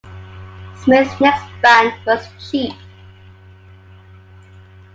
Smith's next band was Cheap.